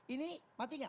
ini mati enggak